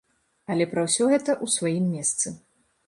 Але пра ўсё гэта ў сваім месцы.